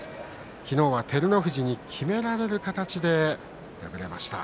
昨日は照ノ富士にきめられる形で敗れました。